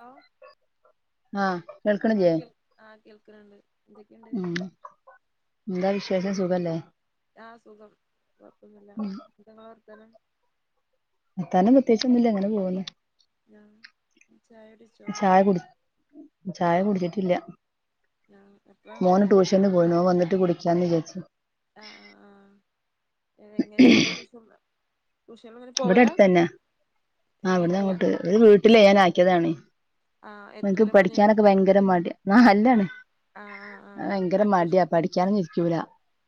Hello ആഹ് ആ കേൾക്കണില്ലേ കോം ആ കേൾക്ക്ണ്ണ്ട് എന്തൊക്കെയുണ്ട് ഉം എന്താ വിശേഷം സുഖല്ലേ ആ സുഖം കുഴപ്പോന്നില്ല എന്തവാ വർത്താനം അത്താനം പ്രത്യേകിച്ച് ഒന്നുല്ല ഇങ്ങനെ പോകുന്നു ആ ചായ കുടിച്ചോ ചായ കുടി ചായ കുടിച്ചിട്ടില്ല ആ എപ്പളാ മോന് മരുന്ന് ട്യൂഷന് പോയി ഓൻ വന്നിട്ട് കുടി ടിക്കാന്ന് വിചാരിച്ച് ആ ആ ആ എങ്ങനെയാ എവിടെയാ ട്യൂഷൻ ട്യൂഷന് അങ്ങനെ ഇവിടെ പോവലാ അടുത്തതന്നെ ആ അവിട്ന്ന് എത്ര അങ്ങോട്ട് ഒരു വീട്ടില് ഞാൻ ആക്കിയതാണ് ആ എനിക്ക് എത്രേലാ മോന് പഠിക്കാനൊക്കെ ഭയങ്കര മടി ആ ഓ അല്ലാണ് ആ ആ ഭയങ്കര ആ ട്യൂഷ മടിയാ പഠിക്കാനൊന്നും ഇരിക്കൂല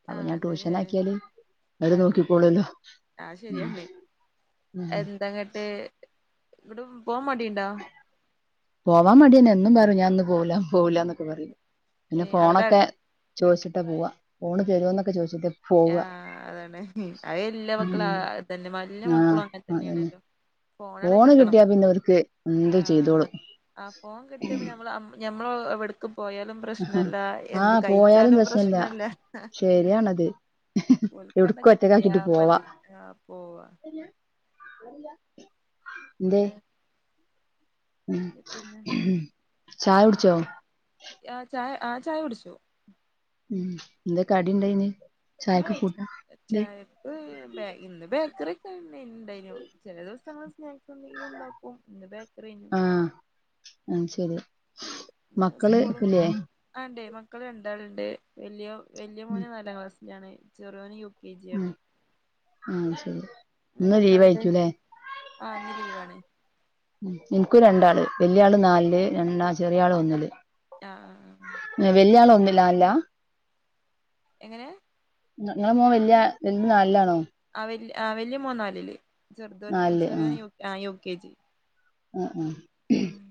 അപ്പൊ ആ ഞാൻ ട്യൂഷൻ അതെല്ലേ ആക്കിയാല് അവര് അതെ നോക്കിക്കോളുല്ലോ അത് ഉം ശരിയാണ് എന്താങ്ങട്ട് ഇവിടെ പോവാൻ മടിയുണ്ടോ പോവാൻ മടിയന്നെ എന്നും പറയു ഞാൻ പോവില്ല പോവില്ല എന്നൊക്കെ പറയും പിന്നെ ഏ അവിടെ ഫോണൊക്കെ ചോദിച്ചിട്ട് പോവാ ഫോൺ തരുമോന്നൊക്കെ ചോദിച്ചിട്ട് ആ പോവ അതാണ് അത് എല്ലാ മക്കളും ഉം തന്നെ [unintelligible] ആഹ് മക്കളും അങ്ങനെ അതന്നെ തന്നെയാണല്ലോ ഫോണവിടെ ഫോണ് കിട്ടണം കിട്ടിയാ പിന്നെ അവർക്ക് എന്തും ആ ചെയ്തോളും ആ ഫോൺ കിട്ടിയ നമ്മള് ഞമ്മള് എവിടെക്കും പോയാലും പ്രശ്നല്ല എന്ത് ആഹ് പോയാലും കഴിച്ചാലും പ്രശ്നല്ല ശരിയാണത് ഉൽക്കട എവിടക്കും കിട്ടിയാ ഒറ്റക്കാക്കിട്ട് പോവാ മതി ആ പോവാ എന്തെ ഉം പിന്നെ ചായ പിന്നെ കുടിച്ചോ ആഹ് ചായ ആഹ് ചായ കുടിച്ചു മ് ഉം എന്ത് കടി ഇണ്ടായി ചായക്ക് കൂട്ടാൻ എന്തേ ചായക്ക് ഇന്ന് ബേക്കറി ഒക്കെ ഇണ്ടേനു ചെല ദിവസ സ്നാക്സ് എന്തെങ്കിലും ഉണ്ടാക്കോ ഇന്ന് ബേക്കറിനു ആഹ് അത് ശരി മക്കള് സ്കൂളും ഇല്ലയേ ആണ്ടേ മക്കള് രണ്ടാളുണ്ട് വലിയോൻ വലിയ മോൻ നാലാം ക്ലാസിലാണ് ചെറിയോൻ യുകെ ഉം ഉം ശരി ഇന്ന് നിനക്ക് എത്ര ആളുണ്ട് ലീവായിരിക്കുംല്ലേ ആഹ് ഇന്ന് ലീവാണ് ക്ക് രണ്ടാള് വലിയാള് നാലില് രണ്ടാ ചെറിയാള് ഒന്നില് ആഹ് ലാല്ല എങ്ങനെ നിങ്ങളെ മോൻ വല്യയ വല് നലിലാണോ ആഹ് വലിയ മോനൻ നാലില് ചെറുത് ചെറിയോൻ യുകെജി ഏഹ് ഏഹ് ഉം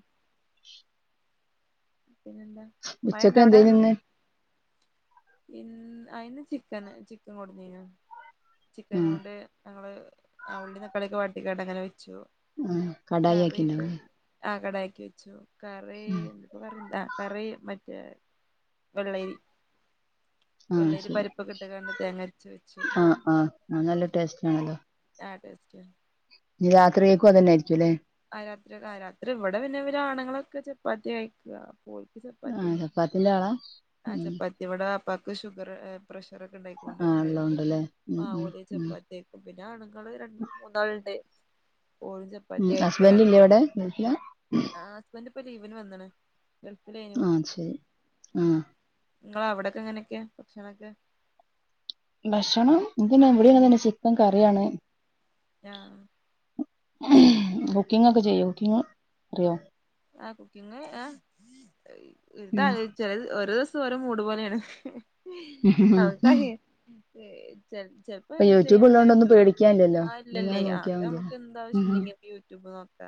പിന്നെന്താ ഉച്ചക് എന്തേഞ്ന്ന് ഇൻ അയിന് ചിക്കന് ചിക്കൻ കോടന്നീനു ആഹ് ചിക്കനോണ്ട് ഞങ്ങള് ആ ഉള്ളീം തക്കാളിയൊക്കെ വട്ടിക്കാട്ടെ അങ്ങനെ വെക് ഉം കടായി ആക്കി ണ്ടാവുലേ ആ കടായി ആക്കി വെച്ചു. കറീ ഇന്നിപ്പം [unintelligible] കറി മറ്റേ വെള്ളരി ആഹ് വെള്ളരി ശരി പരിപ്പൊകെട്ട് കാണ്ട് തേങ്ങര്ച് വെച്ചു ആഹ ആഹ് നല്ല ടേസ്റ്റ് ആണല്ലോ ആഹ് ടേസ്റ്റാ ന്ന് രാത്രിയേക്കു അതന്നായിരിക്കുല്ലേ രാത്രിയൊകായാലാ രാത്രി ഇവിടെ പിന്നെ ഇവരാ ആണങ്ങളൊക്കെ ചപ്പാത്തി കഴിക്ക ആഹ് ചപ്പാത്തിന്റെ ആളാ ആഹ് ഉം ചപ്പാത്തി ഇവിടെ വാപ്പാക്ക് ഷുഗർ എഹ് പ്ര ഷറൊക്കെ ണ്ടായികോണ്ട് ആഹ് ണ്ടായോണ്ട് ഉള്ളോണ്ടല്ലേ ഉം ആഹ് ഉം ഓല് ഉം ചപ്പാത്തിയ്ക്കും പിന്നെ ആണുങ്ങൾ രണ്ട് മൂന്നാളുണ്ട് ഓരും ചപ്പാത്തി ഉം കഴിക്ക ഹസ്ബന്റ് രാത്രി ഇല്ലേവിടെ? ഗൾഫിലാ ഇപ്പൊ ലീവിന് വന്ന്ണ് ഗൾഫിലേനു ആഹ് ശരി ആഹ് ങ്ങളാവിടൊക്കെ ങ്ങനെയൊക്ക്യാ ഭക്ഷണൊക്കെ ഭക്ഷണം ഇൻക്ക്ന്റെവിടെ ങ്ങൻതന്നെ ചിക്കൻ കറിയാണ് ഞാഹ് കുക്കിംഗ് ഒക്കെ ചെയ്യോ കുക്കിംഗ് അറിയോ? ആഹ് കുക്കിംഗ് എഹ് ഉം [unintelligible] ഓരോസ് തും ഓരോ മൂട് പോലേണ് ചെ ചെലപ്പം ഇപ്പൊ ഇൻ യൂട്യൂബ് ഉള്ളോണ്ട് ചെയ്യാങ്കിലും ഒന്നും ഡ്രസ്റ്റ് പേടിക്കാനില്ലല്ലോ ആഹ് ഇങ്ങനെ ഇല്ലല്ലേ ആ നോക്കിയാ അത് മതിയല്ലോ നമുക്ക് ഉം എന്താവശ്യണ്ടെങ്കിലും യൂട്യൂബ് നോ ക്കാ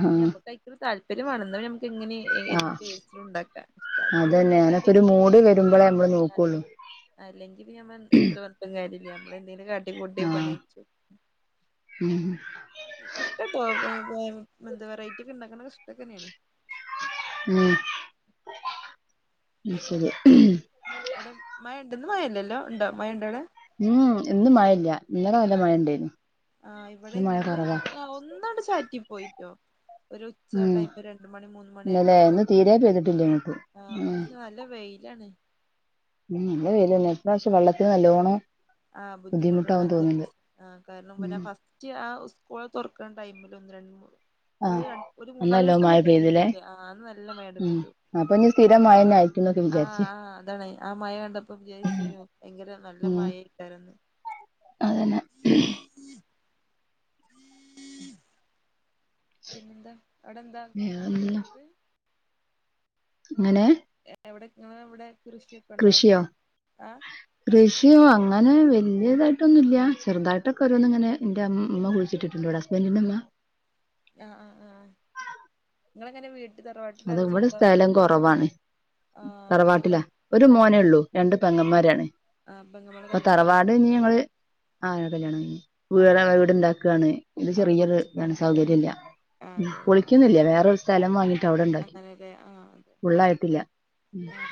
പിന്നിം നമ്മക്കയ്ക്കൊരു താല്പര്യം വാണം ഇന്നാ [unintelligible] എങ്ങിനെ ഏത് ആഹ് ടേസ്റ്റിലും ഉണ്ടാക്കാ ക്ഷേ അതന്നെ താല്പര്യല്ല അങ്ങനൊക്കെ ഒരു ന്ന്ണ്ടെങ്കില് മൂഡ് ഞമ്മക്ക് വരുമ്പളേ നമ്മള് നോക്കുള്ളൂ [inaudible] അല്ലെങ്കിപ്പ ഞമ്മ എൻ എത്രപർണുട്ടും കാര്യല്ല നമ്മളെന്തെേലും കാ ട്ടിക്കൂട്ടി ആഹ് പണ്യെയ്ച്ചും. ഉം ഇഷ്ട ട്ടോ ഏഹ് ഏ മെന്താ വെറൈറ്റി ഒക്കെ ഇണ്ടാക്ക്ണക്കെ ഇഷ്ടക്കന്നേണ്. ഉം ഉം ശരി അടെ മഴ ഇണ്ടന്ന് ഇന്ന് മയല്ലല്ലോ ഉം ഇന്ന് മയല്ല്യ. ആഹ ഇവിടെ മഴ ഇന്ന് കുറവാ ഒന്നണ്ട് ചാറ്റി പോയിറ്റോ ഒരു ഉച്ച ഉം ടൈം ഒരു രണ്ട് മണി മൂന്ന് മണിയൊക്കെ ഇന്നലെ ഇന്ന് [unintelligible] തീരെ പെയ്തിട്ടില്ല ഇങ്ങോട്ട് ഉം നല്ല വെയി [unintelligible] നല്ല വെയിലന്നെ ഇപ്രാവശ്യം വെള്ളത്തിന് നല്ലോണോം ആഹ് ബുദ്ധിമുട്ട്ണ്ടാക്കിയ ആ കാരണം പിന്ന ഉം ഫസ്റ്റ് ആ [unintelligible] ള് തുറക്കണ ടൈമില് ഒന്ന് രണ്ട് ആഹ് ഒന്ന് ര ഒരു അന്ന് മൂന്നാല് നല്ലോം ദിവസം മഴ പെയ്തില്ലേ പെയ്യാത്തുല്ല ആ നല്ല മഴണ്ട്‌ ഉം പെയ്തു അപ്പൊ ഇനി സ്ഥിരം മഴ തന്നെ ആയിരിക്കുംന്നൊക്കെ ആ വിചാരിച്ച് ആ ആ അതാണ് ആ മയ കണ്ടപ്പം വിജാരിച്ചിനു ഭയങ്കര നല്ല ഉം മായേരിക്കുന്നു രുന്നു അതന്നെ പിന്നെന്താ അടന്താ കൃഷിക്കൊണ്ടോ വേറെന്താ നിങ്ങക്ക് അങ്ങനെ എവിടെ ഇവിടെ കൃഷിയോ കൃഷി അങ്ങനെ വ വല്യതായിട്ടന്നുല്ല ചെറുതായിട്ടൊക്കെഓരോന്നങ്ങെ എന്റ അമ്മ കുഴിച്ചിട്ടുണ്ടിവിടെ ഹസ്ബൻഡറിന്റെമ്മ ആ ആ ആ നിങ്ങളങ്ങനെ വീട്ട അത് ഇവിടെ സ്ഥലം കുറവാണ് ആഹ് ഞങ്ങ തറവാട്ടിലാ ഒരു ആഹ് മോനെ തറവാ ഉള്ളൂ രണ്ട് പെങ്ങന്മാരാണ് ആഹ് പെങ്ങമ്മാടെ അപ്പ കല്യാണം കഴിഞ്ഞ് തറവാട് ഇനി ഞങ്ങള് ആ കല്യാണം കഴിഞ്ഞ് ആഹ് വീട്ണ്ടാക്കാണ് ഇത് അവിടെ ചെറിയൊരു ഇതാണ് പൊളിച്ചിക്കാണ്ട്ല്ലേ സൗകര്യം ഇല്ല പൊളിക്കുന്നില്ല വേറൊരു സ്ഥലം വാങ്ങി അങ്ങനെല്ലെ ആ അതെ ആ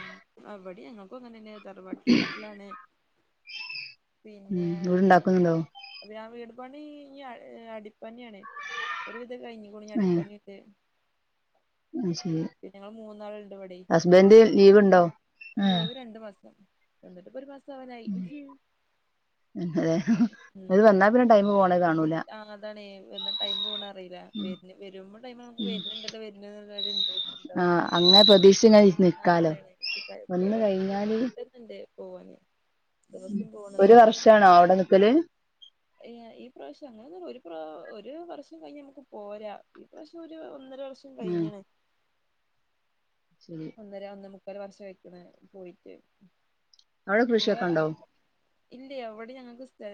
അവിടെ ഞങ്ങൾക്കും അങ്ങനെന്നെ തറവാട്ട് വീട്ടിലാണ് പിന്നെ ഉം വീടുണ്ടാക്കുന്നുണ്ടോ അത് ഞാൻ വീട് പണി ഇനി അടിപ്പണിയാണ് ഒരുവിധം കഴിഞ്ഞു ഏഹ് അടിപ്പണിട്ട് അത് ശരി മൂന്നാളുണ്ട് ഇവിടെ ഹസ്ബൻറ് ലീവ് ഉണ്ടോ ആഹ് ലീവ് രണ്ടു മാസം വന്നിട്ട് ഇപ്പൊ ഒരു മാസം അവാനായി ഉം അതെ ഇത് വന്നാ പിന്നെ ടൈം പോണേ കാണൂല ആ അതാണ് വന്നാ ടൈം പോണ അറിയില്ല വെരണ് വെരുമ്പ ടൈമ് നമുക്ക് വെരണുണ്ടല്ലോ വെരണുണ്ടല്ലോ എന്നൊരു ഇന്ട്രെസ്റ്റ് ഉണ്ടാവും ആഹ് അങ്ങനെ പ്രതീക്ഷിച്ച് ഇങ്ങനെ ആ നിക്കാലോ അതാണ് വന്ന് എന്നാ കഴിഞ്ഞാല് പെട്ടെന്നുണ്ട് പോവാന് ഉം ദിവസം പോണത് ഒരു അറിയില്ല വർഷാണ അവിടെ നിക്കല് ഈ പ്രാവശ്യം അങ്ങനെ ഒന്നുല്ല ഒരു ഒരു വർഷം കഴിഞ്ഞ് നമുക്ക് പോരാം ഈ പ്രാവശ്യം ഒരു ഒന്ന ഒരു വഷം ഉം കഴിഞ്ഞണ് ശരി ഒന്നര ഒന്ന മുക്കാല് വർഷം ആയേക്കണ് പോയിട്ട് അവിടെ ഇങ്ങളെ കൃഷിയൊക്കെ ഒണ്ടാവും ഇല്ല അവിടെ ഞങ്ങൾക്ക് സ്ഥ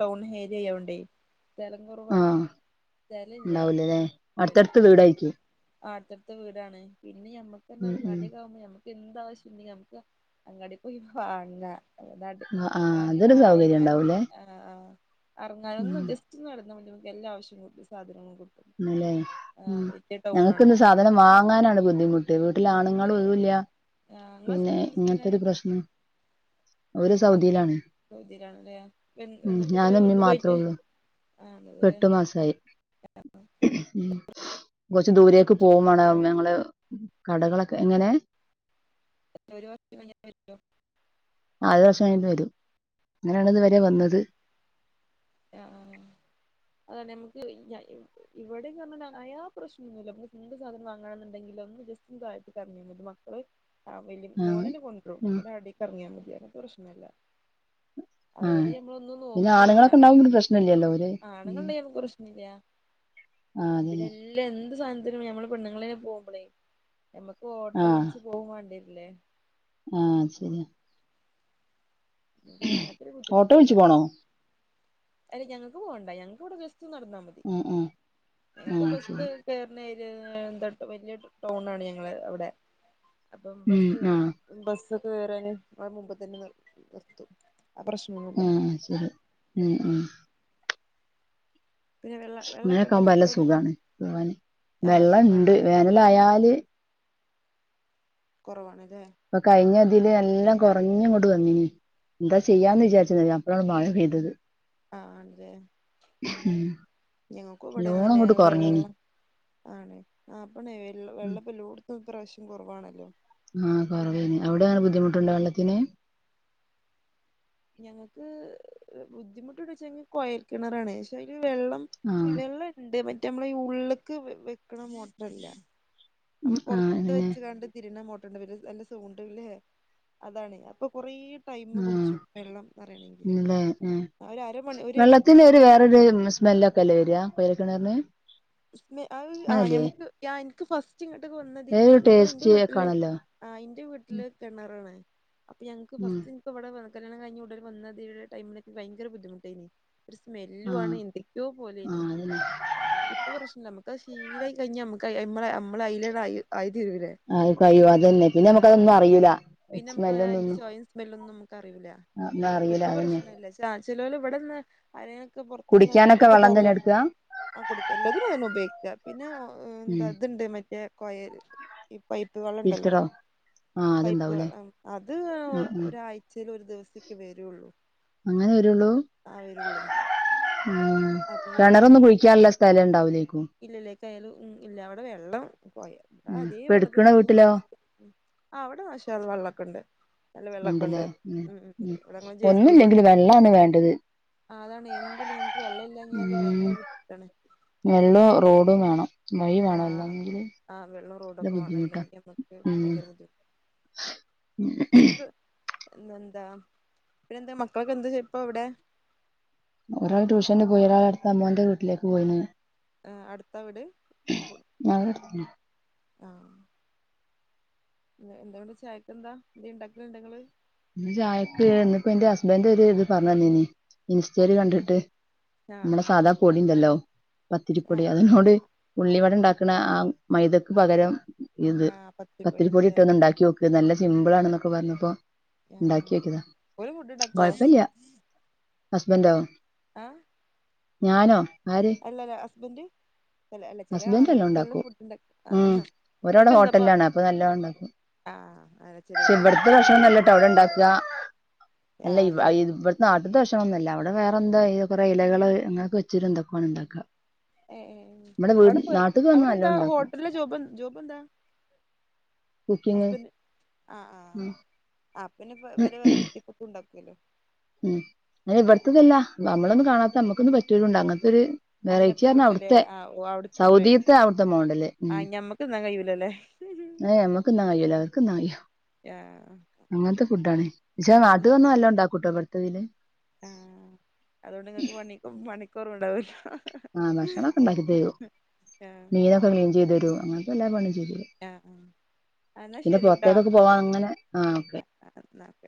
ടൗൺ ഏരിയായൊണ്ടേ ആ ഉണ്ടാവൂലല്ലെ അടുത്തടുത്ത് വീടായിക്കും ആ അടുത്തടുത്ത് വീടാണ് പിന്നെ ഞമ്മക്ക് ഉം ഉം അങ്ങാടിയക്കവുമ്പോ ഞമ്മ എന്താവശ്യം ഇന്ടെങ്കിൽ ങ് നമക്ക് അങ്ങാടി പോയി വാങ്ങാം ആഹ് അതൊരു സൗകര്യം ഉണ്ടാവൂലേ [unintelligible] ഇറങ്ങാന ഒന്ന് ഉം ജസ്റ്റ് ഒന്ന് നടന്നാ മതി നമു എല്ലാ ആവശ്യം ല്ലേ ഉം ആണ് ഞങ്ങക്കിന്ന് സാധനം വാങ്ങാനാണ് ബുദ്ധിമുട്ട് വീട്ടില ആണല്ലേ ആണുങ്ങളും ഒന്നുല്ല ആഹ് ഇങ്ങളെ പിന്നെ ഹസ്ബൻഡ് എന്താ ഇങ്ങനത്തൊരു പ്രശ്നം ഓര് സൗദിയിലാണ് സൗദിലാണല്ലേ എന്നിട്ട് ഇത്രായി എന്ന് പോയിട്ട് പ്പ എട്ടു മാസായി ആ ഉം കൊറച്ച് ദൂരേക്ക് പോകേം വരോ വേണം ഞങ്ങള് കടകളൊക്കെ എങ്ങനെ ഒരു വർഷം കയ്ഞ്ഞവരോ? ആദ്യ വർഷം ആട്ട് വരും അങ്ങനെയാണ് ഇത് വരെ വന്നത് അ അ ആഹ [unintelligible] നമ്മക്ക് ന ഇ ഇവിടെന്ന് പറഞ്ഞാ നയാ പ്രശ്നൊന്നുല്ല മ്മ് ന്ന് എന്ത് സാധനം വാങ്ങണംന്ന് ഇണ്ടേലും. ചായ മ ദ മക്കള ആഹ് വലി ആഹ് മോനെണ് കൊണ്ടും ഉം ഇന അടക്ക് ഇറങ്ങിയാൽ മതി അങ്ങനത്തെ പ്രശ്നമല്ല. അതുകോണ്ട് ഞമ്മളൊന്നും നോക്കൂല. ന പ്രശ്നല്ലല്ലോ ലെ ഉ ഉം. പ്രശ്നല്ല ആഹ് പിന്നെ അതന്നെ എല്ലാ എന്ത് സാധനത്തിനും ഞമ്മള് പെണ്ണുങ്ങളെന്നെ പോമ്പളേ. നമ്മക്ക് ഓട്ടോ വിളിച്ഛ് പോവും വാണ്ടി വരില്ലേ. ആ, ശരിയാ. പിന്നെ അങ്ങനത്തെ ഒരു [inaudible] ഓട്ടോ ബുദ്ധിമുട്ടില്ല വിളിച്ച്, പോണോ. അല്ല, ഞങ്ങക്ക് പോണ്ട, ഞങ്ങക്ക്വ്ടെ. ക്ക്നടന്നാ മതി, ആഹ് ആഹ് ഞങ്ങക്ക് ആഹ് ബസ്, ശരി കേർണെയിൽ ഇ ഈ [unintelligible] വല്യ, ടൗണാണ് ഞങ്ങളെ അവ്ടെ, അപ്പോ, മ്മ്, ഉം ബസ്സ്, ആഹ് മ്മ്, ബസ്സ്, [inaudible] ങ്ങക്ക് കേറാന്, ആ മുമ്പ്ത്തന്നെ, നിർ നിർ ആ, ശെരി, എ, ഏ. പിന്നെ വെള്ള വെള്ളമൊക്കെ ഉണ്ടോ അങ്ങനൊക്കാവുമ്പോ, നല്ല നിങ്ങൾക്ക് അവിടെ സുഖാണ്, പൂവാന്, നല്ല സുഖാണ്, ആ സുഖാണ് വെള്ളണ്ട്, വേനലായാല്. കൊറവാണ്, ലെ. പ്പൊ, കയ്ഞ്ഞതില്, നല്ലോം, കൊറഞ്ഞിങ്ങോട്ട് വനീഞ്ഞിമ്മ്, ന്താ, ചെയ്യന്ന്ചാരിച്ച് [unintelligible] അപ്പളാണ് മഴ [unintelligible] തത്. ആ, ആണ്, ലെ, മ്മ്, ഞങ്ങക്കുവടെ, നല്ലോണം ഇങ്ങനെ, അങ്ങോട്ട് കൊറഞ്ഞിനി വെള്ളം ആണ്, ആപ്പൊ, നെ, എ, എല്ലോ, വെള്ളപ്പൊ എല്ലോടത്തും, പ്രാവിശ്യം കൊറവാണല്ലോ. ആ, കൊറവെയ്ന്നിം, അവ്ടെ, എ, ബുദ്ധിമുട്ട്ണ്ട വെള്ളത്തിന്. ഞങ്ങക്ക്, ഇ, [unintelligible] ബുദ്ധിമുട്ട്ണ്ടോയ്ച്ചാ--കോയൽകിണറാണ്, ഷയില് വെള്ളം, ആഹ് വെള്ളണ്ട്, മറ്റേ, മ്മളെ ഇ, ഉള്ള്ക്ക്, വെ, വെക്ക്ണ, മോഡലില്ലേ. ഉം അമ്മള്, ആഹ് പൊറത്ത്, പിന്നെ വെച്ച്ങ്ങാണ്ട്, തിരിയ്ണ, മൊ, [unintelligible] നല്ല, സൗണ്ടില്, അതാണെയ്, അപ്പൊ, കൊറേയ്യ് ആ, മ്മ്ലെ, എ, ആ ഒരു അരമണി ഒരു വെള്ളത്തിലൊര്, വേറൊര്, മ്മ്, മിസ് മെല്ലൊക്കെല്ലെ, വര്ആ, കോയൽകിണറിന്. [unintelligible] അഇയ്, ആ, നമ്മക്ക്, യ ഇൻക്ക്ഫസ്സ് ജ്ജ്, ഇങ്ങട്ട്ക്ക്, വന്നാതി, ഞങ്ങ, വേറൊരു ഞങ്ങള്, ന്റെ ടേസ്റ്റ് ഒക്കെ വീട്ടില്, ആണല്ലോ ആ, ഇന്റെ, വീട്ടില്, കേണറാണ്. അപ്പ, ഞങ്ങക്ക്, ഉം ഫസ്റ്റ്, ഇൻപ്പൊവ്ടെ, വെ, കല്യാണംകയിന്നുടനെ, [unintelligible] വയ്യെങ്കര, ബുദ്ധിമുട്ടേയ്നിം. ഒരു, സ്മെല്ലുവാണ്, ആഹ് എന്തൊക്കൊയോ, പോലെയ്ഞ്ഞി ആഹ് അതന്നെ നമ്മക്കത്, ശീലായ്കയിഞ്ഞ, നമ്മക്ക, ഐ, [unintelligible] ആയിത്തീരൂലെ. അത് കഴിയും പ്പൊ, ഇപ്പ്, അതന്നെ പിന്നെ ആ, നമുക്കതൊന്നും അറിയൂല പിന്നാമ്മക്ക്, [unintelligible] സ്മെല്ലൊന്നൊന്നും ചോയേം, സ്മെല്ലൊന്നുംമ്മക്കറിയൂല. ആ, ഒന്നും അറിയൂല ഇപ്പൊ, അതന്നെ പ്രശ്നല്ല, ച്ച, ചേലോല് വടെന്ന്, അയ്നൊക്കെ, പോർത്ത്ന്ന്, കുടിക്കാനൊക്കെ വന്നോലൊക്കെ, വെള്ളം തന്നെ പറയുഎയ്. എടുക്കുക ആ, കുടിക്ക, എല്ലത്തിനും, അതന്നെ, ഉപയോഗിക്ക, പിന്നെ, ഒ ഇ ഉം ന്ത, ദിണ്ട്, മറ്റേ, കോയല് പൈപ്പ്, വെള്ളണ്ടല്ലോ. ഫിൽറ്ററോ ആ പൈപ്പ്, അതുണ്ടാവൂലേ വെള്ള, ആം, അത് ഈ, ഒ, ആ, ആ. ഒരായ്ച്ചയില്, ഒരു, ദിവസൊക്കെ, വരൊള്ളു. വരുളൂ. ഉം, അപ്പൊ കെണറൊന്നും, കുഴിക്കാന്ള്ള, സ്ഥലം, ണ്ടാവുലൈക്കും. ഇല്ലല്ലെ, [unintelligible] മ്മ് ഇല്ല അവ്ടെ വെള്ളം ഉം. ഇപ്പൊ [inaudible] എടുക്കണ വീട്ടിലോ അ അവിടെ മാഷാ അല്ലാഹ് വെള്ളമൊക്കെ ഉണ്ട്. ഉണ്ടല്ലേ ഉ ഉ ഇവിടെ ഞങ്ങള് ജെ സി ബി കൊണ്ട് ഒന്നില്ലെങ്കിൽ വെള്ളമാണ് വേണ്ടത് അതാണ് എന്ല്ല എനക്ക് വെള്ളം ഇല്ലങ്ങിയല് ഉം. ഭയങ്കര വിട്ടാണ് വെള്ളവും റോഡും വേണം വൈ വേണ അല്ലെങ്കിൽ ആ വെള്ളോം റോഡൊക്കെ വേണം ബുദ്ധിമുട്ടാ അല്ലെങ്കിൽ അമക്ക് ഭയങ്കര ബുധി ഉം എന്തെന്താ പിന്നെ എന്താ മക്കളക്കെ എന്താ ഇപ്പ എവിടെ ഒരാള് ട്യൂഷന് പോയി ഒരാള് അടുത്ത അമ്മോന്റെ വീട്ടിലേക്ക് പോയിണ് ആ അടുത്ത വീട് ഞങ്ങളുടെ അടുത്ത് ആഹ ഇന്ന് വടെ ചായക്കന്താ എന്തെലും ഇണ്ടാക്കല്ണ്ടോ ഇങ്ങള് ഇന്ന് ചായക്ക് ഇന്ന് പ്പന്റെ ഹസ്ബൻഡ് ഒരിത് പറഞ്ഞന്നീനി ഇൻസ്റ്റയിൽ കണ്ടിട്ട് നമ്മളെ ആഹ് സാധാ പൊടി ഇണ്ടല്ലോ പത്തിരിപ്പൊടി ആഹ് അതിനോട് ഉള്ളി വടണ്ടാക്ക്ണ ആ മൈദക്ക് പകരം ഇത് ആഹ് പത്തിപ്പൊടി പത്തിരിപ്പൊടി ഉണ്ട്ല്ലേ ഇട്ട് ഒന്ന് ഇണ്ടാക്കി നോക്ക് നല്ല സിമ്പിളാണന്നൊക്കെ പറഞ്ഞപ്പോ ആഹ് ഇണ്ടാക്കിനോക്യതാ ഓല് ഫുഡ് ഇണ്ടാക്കോ കൊഴപ്പല്ല ഹസ്ബന്റോ അ ഞാനോ ആര് അല്ലല ഹസ്ബൻഡ് ല്ല ചെല ഹസ്ബൻഡ് എല്ലാം ആണ്ങ്ങക്കല്ലേ ഉണ്ടാക്കും ഫുഡ്ണ്ടാക്ക ഉം ആ ഓരവിടെ ഓൽക്ക് എന്താപ്പ ആഹ് അല്ല ചെലോർക്ക് ഇവടത്തെ അങ്ങനത്തെ ഭയങ്കര ഭക്ഷണനല്ലാട്ടോ ഇൻട്രസ്റ്റ് ഔടെ ഇണ്ടാക്ക ആയിക്കാരം അല്ല ആഹ് ഇവ അതാണ് ഇവടത്തെ നാട്ട്ത്തെ ഭക്ഷന്നുല്ല ഔ ഔടെ വേറെ എന്തോ ആയി കൊറെ ഇലകള് അങ്ങനൊക്കെ വെച്ചിട്ട് ഇണ്ടാക്കാണെങ്കിൽ ഇണ്ടാക്കാം ഏ ഏ ഔടെ നാട്ടിക്ക് വന്നാ ഔടെ എന്താ നല്ലോണം ഉണ്ടാക്കും ഹോട്ടല് ലെ ജോബ് ജോബ് എന്താ കുക്കിംഗ് ആ് ആഹ അപ്പന്നെ പല വെറൈറ്റി ഫുഡ്‌ ഇണ്ടാക്കല്ലോ ഉം ഏ ഇവിടത്തതല്ല നമ്മളൊന്നും കാണാത്ത നമ്മുക്കൊന്നും പറ്റലുണ്ട് അങ്ങൻത്തെരു വെറൈറ്റി അങ്ങനത്തെ പറഞ്ഞാ ഫുഡ്ല്ലേ ഔട്ത്തെ ആഹ് ഓഹ് അവിടുത്തെ സൗദിത്തെ ഔട്ത്തെ മോഡല് ഉം ഇല്ലലെ ഏ നമ്മക്ക് തിന്നാൽ കയ്യൂല അവർക്ക് തിന്നാൻ കയ്യും ആ ഞാ അങ്ങൻ ത്തെ ഫുഡാണ് പക്ഷേ നാട്ട്ല് വന്നാൽ നല്ലോ ഇണ്ടാക്കുട്ടോ ബട്ത്തതില് ആഹ അതുകൊണ്ട് നിങ്ങൾക്ക് പണിക്ക് പണിക്ക് കൊറവുണ്ടാവല്ലോ ആഹ ഭക്ഷണൊക്കെ ഇണ്ടാക്കി തരും മീനൊക്കെ ക്ലീൻ ചെയ്ത് തരും അങ്ങൻ ത്തെ എല്ലാ പണി ആഹ ആഹ പിന്നെ പൊറത്തേക്കൊക്കെ പോവാൻ അങ്ങനെ ആ ഓക്കെ എന്നാ ഓക്കെ.